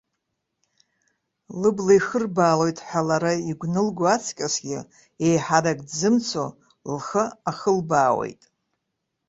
Лыбла ихырбаалоит ҳәа лара игәнылго аҵкысгьы, еиҳарак дзымцо, лхы ахылбаауеит.